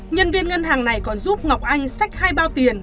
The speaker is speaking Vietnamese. nhân viên ngân hàng này còn giúp ngọc anh sách hai bao tiền